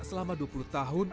selama dua puluh tahun